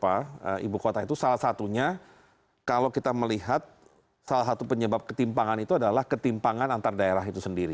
pertama begini idee itu mengenai ibu kota itu salah satunya kalau kita melihat salah satu penyebab ketimpangan itu adalah ketimpangan antar daerah itu sendiri